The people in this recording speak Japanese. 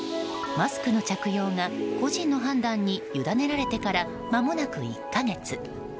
マスクの着用が個人の判断にゆだねられてからまもなく１か月。